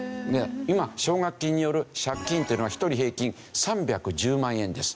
今奨学金による借金っていうのは１人平均３１０万円です。